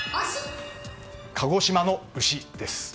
鹿児島の牛です。